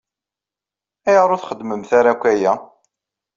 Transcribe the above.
Ayɣer ur txeddmemt ara akk aya?